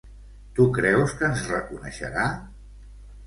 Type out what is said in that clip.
Tu creus que ens reconeixerà?